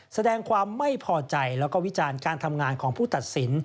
แสดงความไม่พอใจแล้วก็วิจารณ์การทำงานของผู้ตัดสิน